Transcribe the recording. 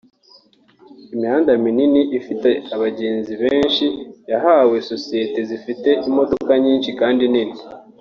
Imihanda minini ifite abagenzi benshi yahawe sosiyete zifite imodoka nyinshi kandi nini